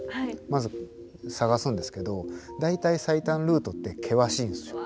まず探すんですけど大体最短ルートって険しいんですよ。